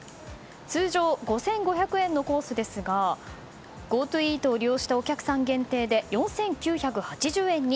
通常５５００円のコースですがＧｏＴｏイートを利用したお客さん限定で４９８０円に。